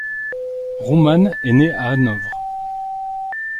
Rümann est né à Hanovre.